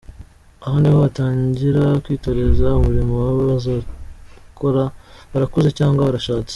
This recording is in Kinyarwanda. Aha niho batangira kwitoreza umurimo baba bazakora barakuze cyangwa barashatse.